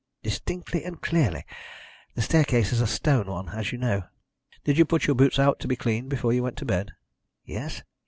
"Distinctly and clearly. The staircase is a stone one, as you know." "Did you put your boots out to be cleaned before you went to bed?" "Yes."